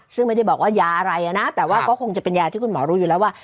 ซึ่งไม่ได้บอกว่ายาอะไรนะแต่ว่าก็คงจะเป็นยาที่คุณหมอรู้อยู่แล้วว่า